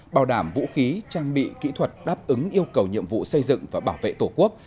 bảo đảm vũ khí trang bị kỹ thuật đáp ứng yêu cầu nhiệm vụ xây dựng và bảo vệ tổ quốc